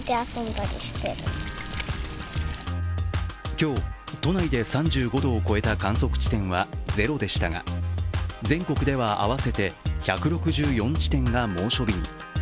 今日、都内で３５度を超えた観測地点はゼロでしたが全国では合わせて１６４地点が猛暑日に。